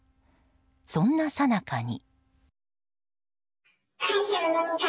そんなさなかに。